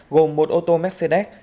gồm một ô tô mercedes